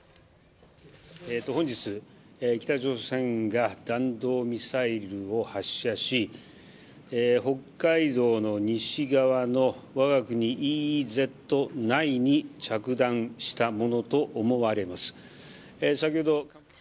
本日北朝鮮が弾道ミサイルを発射し北海道の西側のわが国ＥＥＺ内に着弾したものと思われます。